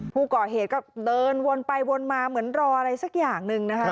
ผู้ก่อเหตุก็เดินวนไปวนมาเหมือนรออะไรสักอย่างหนึ่งนะคะ